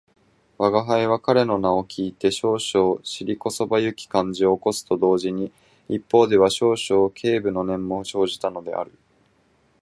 吾輩は彼の名を聞いて少々尻こそばゆき感じを起こすと同時に、一方では少々軽侮の念も生じたのである